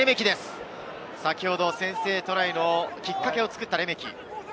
先ほど先制トライのきっかけを作ったレメキ。